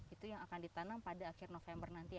itu yang akan ditanam pada akhir november nanti